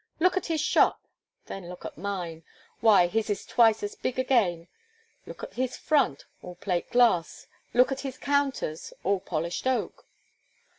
Look at his shop, then look at mine; why, his is twice as big again. Look at his front all plate glass; look at his counters all polished oak!"